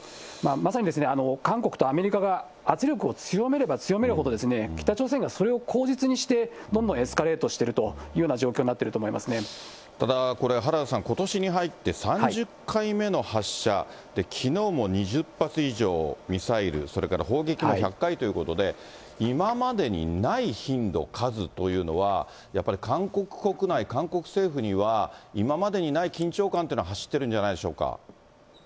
まさに韓国とアメリカが圧力を強めれば強めるほど、北朝鮮がそれを口実にして、どんどんエスカレートしているというような状況にただこれ、原田さん、ことしに入って３０回目の発射、きのうも２０発以上ミサイル、それから砲撃も１００回ということで、今までにない頻度、数というのは、やっぱり韓国国内、韓国政府には、今までにない緊張感というのは走ってるんじゃないでしょうか。